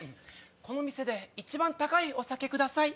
この店で一番高いお酒ください